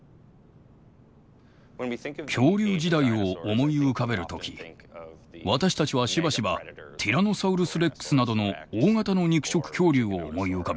恐竜時代を思い浮かべる時私たちはしばしばティラノサウルス・レックスなどの大型の肉食恐竜を思い浮かべます。